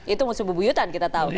itu musuh bubuyutan kita tahu kan